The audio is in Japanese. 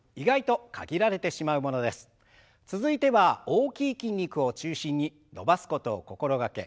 続いては大きい筋肉を中心に伸ばすことを心掛け